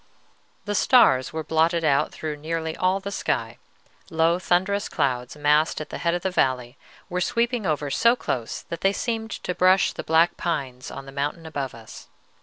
The stars were blotted out through nearly all the sky; low, thunderous clouds, massed at the head of the valley, were sweeping over so close that they seemed to brush the black pines on the mountain above us.